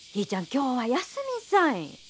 今日は休みんさい。